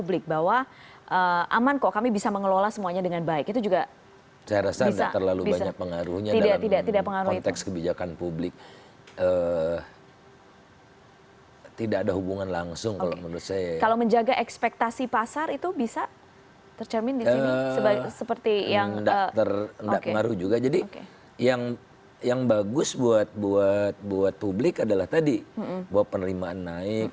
lifting juga tidak tercapai